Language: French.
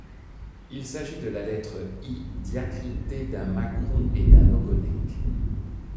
Il s’agit de la lettre I diacritée d’un macron et d’un ogonek.